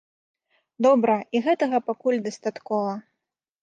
Добра, і гэтага пакуль дастаткова.